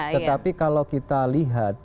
tetapi kalau kita lihat